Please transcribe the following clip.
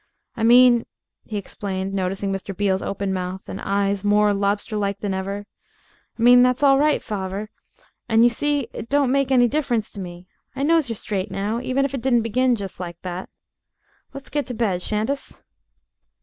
I mean," he explained, noticing Mr. Beale's open mouth and eyes more lobster like than ever "I mean that's all right, farver, and you see it don't make any difference to me. I knows you're straight now, even if it didn't begin just like that. Let's get to bed, shan't us?"